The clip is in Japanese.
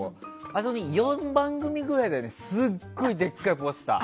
あそこに、４番組ぐらいのすっごいでっかいポスター。